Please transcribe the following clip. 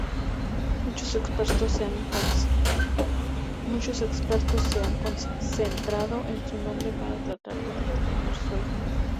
Muchos expertos se han centrado en su nombre para tratar de determinar sus orígenes.